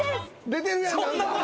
出てるやん何か！